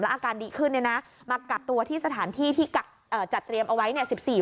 แล้วอาการดีขึ้นเนี่ยนะมากับตัวที่สถานที่ที่กักจัดเตรียมเอาไว้เนี่ย